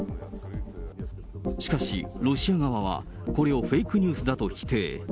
しかし、ロシア側はこれをフェイクニュースだと否定。